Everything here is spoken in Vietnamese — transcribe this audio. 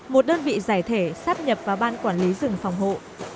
một đơn vị giải thể sáp nhập và ban quản lý rừng phòng hộ